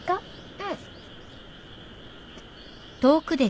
うん。